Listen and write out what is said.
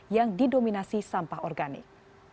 yang didominasi sampah organik